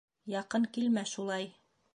Яҡын килмә шулай!